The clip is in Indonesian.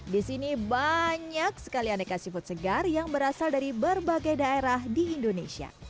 di sini banyak sekali aneka seafood segar yang berasal dari berbagai daerah di indonesia